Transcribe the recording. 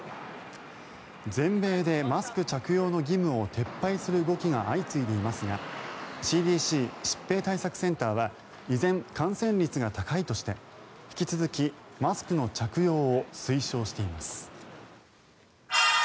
全米でマスク着用の義務を撤廃する動きが相次いでいますがＣＤＣ・疾病対策センターは依然、感染率が高いとして引き続きマスクの着用を推奨しています。